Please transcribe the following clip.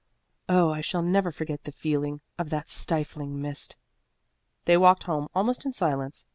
Oh, I shall never forget the feel of that stifling mist." They walked home almost in silence.